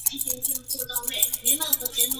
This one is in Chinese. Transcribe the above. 茨歇普林是德国萨克森州的一个市镇。